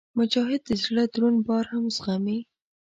مجاهد د زړه دروند بار هم زغمي.